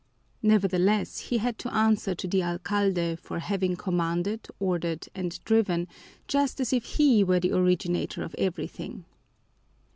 Nevertheless, he had to answer to the alcalde for having commanded, ordered, and driven, just as if he were the originator of everything.